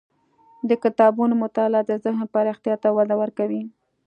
د کتابونو مطالعه د ذهن پراختیا ته وده ورکوي.